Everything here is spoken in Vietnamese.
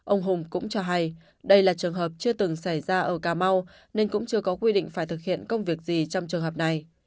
ông hùng cũng cho hay đây là trường hợp chưa từng xảy ra ở cà mau nên cũng chưa có quy định phải thực hiện công việc gì trong trường hợp này